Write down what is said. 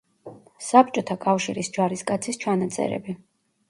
საბჭოთა კავშირის ჯარისკაცის ჩანაწერები.